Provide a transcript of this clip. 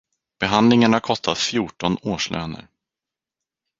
Behandlingen har kostat fjorton årslöner.